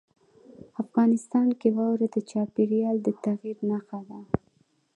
افغانستان کې واوره د چاپېریال د تغیر نښه ده.